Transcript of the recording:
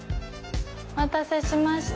お待たせしました。